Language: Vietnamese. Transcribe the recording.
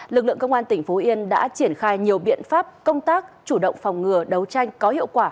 lực lượng công an tỉnh phú yên đã triển khai nhiều biện pháp công tác chủ động phòng ngừa đấu tranh có hiệu quả